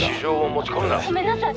ごめんなさい。